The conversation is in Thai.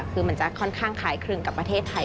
คือมันจะค่อนข้างคล้ายครึ่งกับประเทศไทย